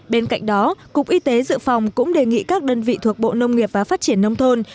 bên cạnh đó cục y tế dự phòng cũng đề nghị các đơn vị thuộc bộ nông nghiệp và phát triển nông thôn